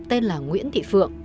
tên là nguyễn thị phượng